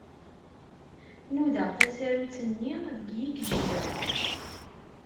Nudaɣ tasarut-nni deg yikejjir.